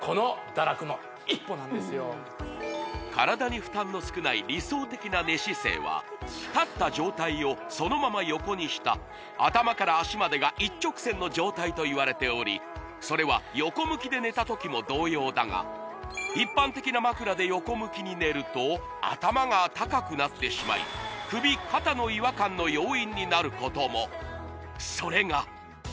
体に負担の少ない理想的な寝姿勢は立った状態をそのまま横にした頭から足までが一直線の状態といわれておりそれは横向きで寝た時も同様だが一般的な枕で横向きに寝ると頭が高くなってしまいの要因になることもそれが！